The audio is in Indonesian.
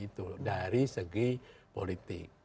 itu dari segi politik